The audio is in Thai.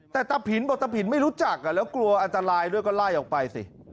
แต่ตะผินบอกตะผินไม่รู้จักแล้วกลัวอันตรายด้วยก็ไล่ออกไปสิ